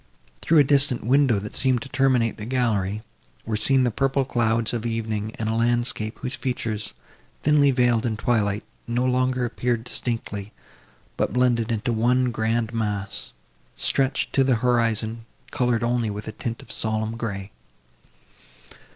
Through a distant window, that seemed to terminate the gallery, were seen the purple clouds of evening and a landscape, whose features, thinly veiled in twilight, no longer appeared distinctly, but, blended into one grand mass, stretched to the horizon, coloured only with a tint of solemn grey.